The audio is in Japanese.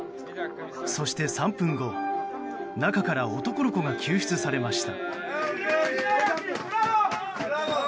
そして３分後中から男の子が救出されました。